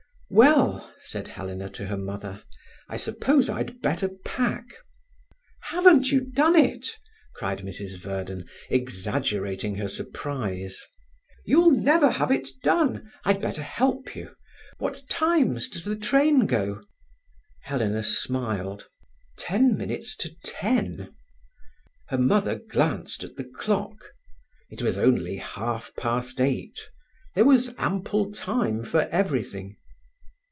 "Well," said Helena to her mother, "I suppose I'd better pack." "Haven't you done it?" cried Mrs Verden, exaggerating her surprise. "You'll never have it done. I'd better help you. What times does the train go?" Helena smiled. "Ten minutes to ten." Her mother glanced at the clock. It was only half past eight. There was ample time for everything.